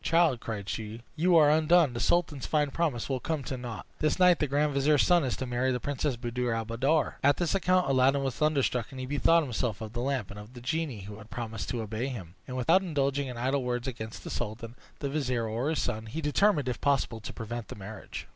"Child," cried she, "you are undone; the sultan's fine promise will come to naught! This night the grand vizier's son is to marry the Princess Buddir al Buddoor." At this account Aladdin was thunderstruck, and he bethought himself of the lamp, and of the genie who had promised to obey him; and without indulging in idle words against the sultan, the vizier, or his son, he determined, if possible, to prevent the marriage.